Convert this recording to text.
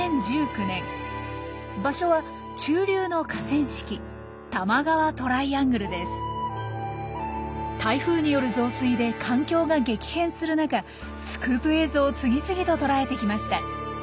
場所は中流の河川敷台風による増水で環境が激変する中スクープ映像を次々と捉えてきました。